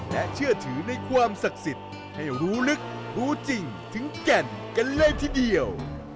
และเชื่อถือในความศักดิ์สิทธิ์ให้รู้ลึกรู้จริงถึงแก่นกันเลยทีเดียว